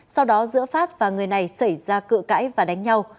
sau đó giữa phát và người này xảy ra cự cãi và đánh nhau